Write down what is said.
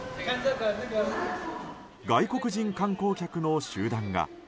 外国人観光客の集団が。